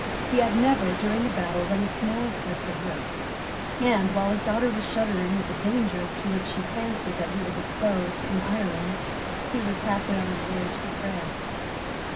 He had never, during the battle, run the smallest risk of hurt; and, while his daughter was shuddering at the dangers to which she fancied that he was exposed in Ireland, he was half way on his voyage to France.